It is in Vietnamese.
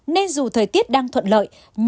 nên dù thời tiết đang thuận lợi